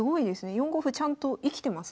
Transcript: ４五歩ちゃんと生きてますね。